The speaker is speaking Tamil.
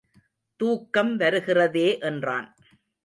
தூக்கம் வருகிறதே என்றான்.